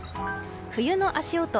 冬の足音